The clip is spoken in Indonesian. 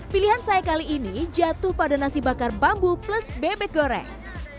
pilihan saya kali ini jatuh pada nasi bakar bambu plus bebek goreng